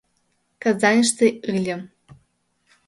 Казаньыште ыльым.